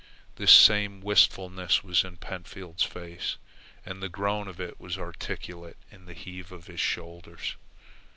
This same wistfulness was in Pentfield's face, and the groan of it was articulate in the heave of his shoulders.